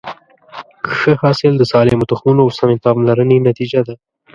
ښه حاصل د سالمو تخمونو او سمې پاملرنې نتیجه ده.